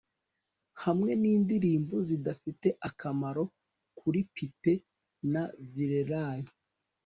hamwe nindirimbo zidafite akamaro kuri pipe na virelay